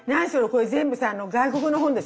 これ全部さ外国の本でしょう。